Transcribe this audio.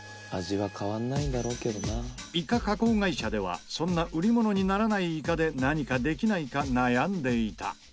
イカ加工会社ではそんな売り物にならないイカで何かできないか悩んでいた。